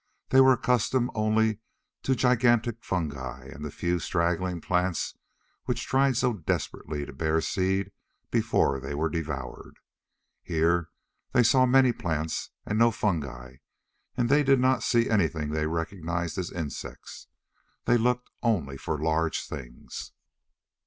They were accustomed only to gigantic fungi and the few straggling plants which tried so desperately to bear seed before they were devoured. Here they saw many plants and no fungi, and they did not see anything they recognized as insects. They looked only for large things.